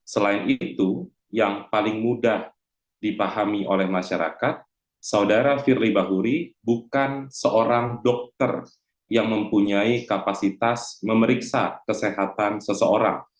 selain itu yang paling mudah dipahami oleh masyarakat saudara firly bahuri bukan seorang dokter yang mempunyai kapasitas memeriksa kesehatan seseorang